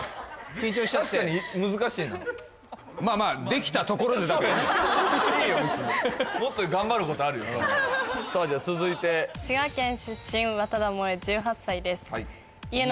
緊張しちゃって確かに難しいなまあまあいいよ別にもっと頑張ることあるよたぶんさあじゃあ続いて滋賀県出身和多田萌衣１８歳ですはい家の